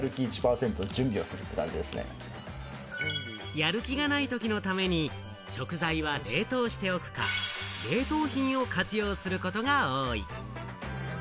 やる気がないときのために、食材は冷凍しておくか、冷凍品を活用することが多い。